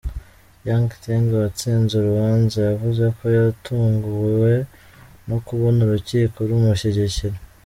Yang Teng watsinze urubanza yavuze ko yatunguwe no kubona urukiko rumushyigikira.